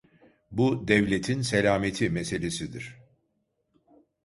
Bu, devletin selameti meselesidir.